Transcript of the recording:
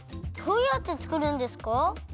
どうやってつくるんですか？